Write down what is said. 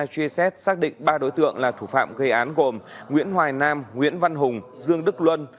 truy xét xác định ba đối tượng là thủ phạm gây án gồm nguyễn hoài nam nguyễn văn hùng dương đức luân